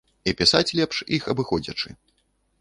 І пісаць лепш, іх абыходзячы.